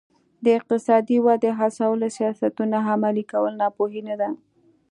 د اقتصادي ودې هڅولو سیاستونه عملي کول ناپوهي نه ده.